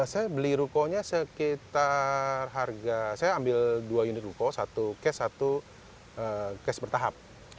saya beli rukonya sekitar harga saya ambil dua unit ruko satu cash satu cash bertahap